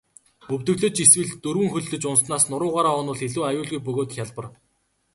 Өвдөглөж эсвэл дөрвөн хөллөж унаснаас нуруугаараа унавал илүү аюулгүй бөгөөд хялбар.